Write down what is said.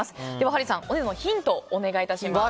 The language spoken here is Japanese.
ハリーさん、お値段のヒントをお願い致します。